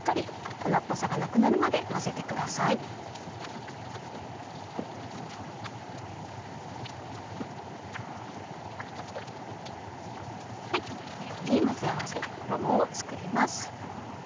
このように混ぜ合わせて衣を作ります。